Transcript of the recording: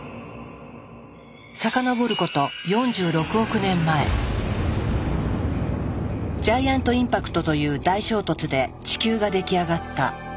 遡ることジャイアント・インパクトという大衝突で地球が出来上がった。